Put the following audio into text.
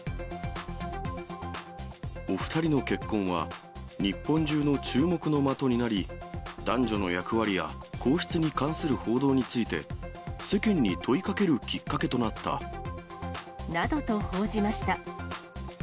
お２人の結婚は、日本中の注目の的になり、男女の役割や皇室に関する報道について、世間に問いかけるきっかなどと報じました。